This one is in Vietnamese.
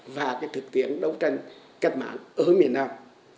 và cái thực tiễn đấu tranh cách mạng ở miền nam